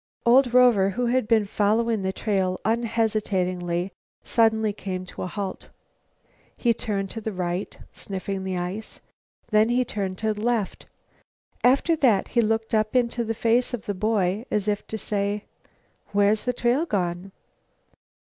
Old Rover, who had been following the trail unhesitatingly, suddenly came to a halt. He turned to the right, sniffing the ice. Then he turned to the left. After that he looked up into the face of the boy, as if to say: "Where's the trail gone?"